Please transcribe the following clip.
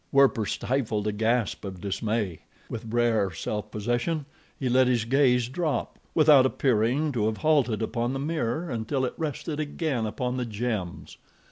Werper stifled a gasp of dismay. With rare self possession he let his gaze drop, without appearing to have halted upon the mirror until it rested again upon the gems.